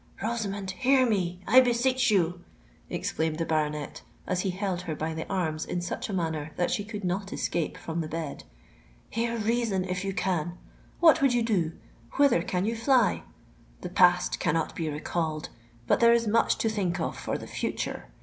"Rosamond, hear me—I beseech you!" exclaimed the baronet, as he held her by the arms in such a manner that she could not escape from the bed. "Hear reason, if you can! What would you do? Whither can you fly? The past cannot be recalled; but there is much to think of for the future.